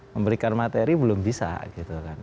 memberikan materi belum bisa gitu kan